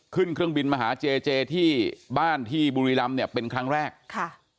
เครื่องบินมาหาเจเจที่บ้านที่บุรีรำเนี่ยเป็นครั้งแรกค่ะ